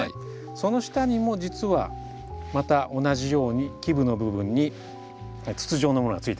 その下にも実はまた同じように基部の部分に筒状のものがついてます。